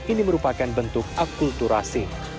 ini merupakan bentuk akulturasi